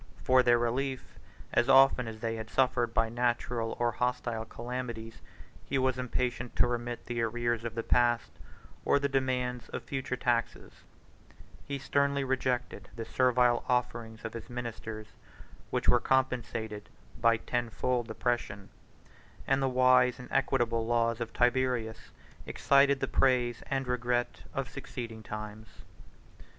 For their relief, as often as they had suffered by natural or hostile calamities, he was impatient to remit the arrears of the past, or the demands of future taxes: he sternly rejected the servile offerings of his ministers, which were compensated by tenfold oppression; and the wise and equitable laws of Tiberius excited the praise and regret of succeeding times.